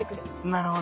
なるほど。